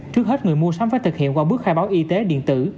trước hết người mua sắm phải thực hiện qua bước khai báo y tế điện tử